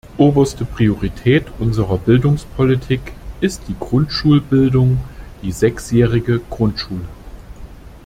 Oberste Priorität unserer Bildungspolitik ist die Grundschulbildung die sechsjährige Grundschule.